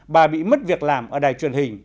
bà bị mất việc làm ở đài truyền hình